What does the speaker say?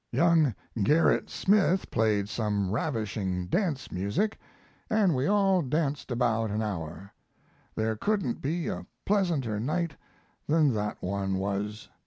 Young Gerrit Smith played some ravishing dance music, & we all danced about an hour. There couldn't be a pleasanter night than that one was.